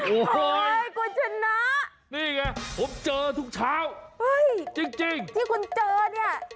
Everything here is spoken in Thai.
โอ้โหคุณชนะนี่ไงผมเจอทุกเช้าเฮ้ยจริงที่คุณเจอเนี่ย